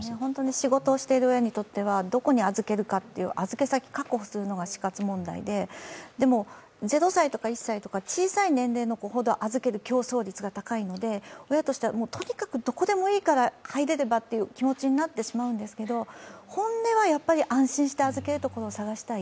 仕事をしている親にとっては、どこに預けるかという、預け先を確保するのが死活問題で、でも０歳とか１歳とか小さい年齢の子ほど預ける競争率が高いので、親としてはとにかくどこでもいいから入れればという気持ちになってしまうんですけど、本音はやっぱり安心して預ける所を探したい。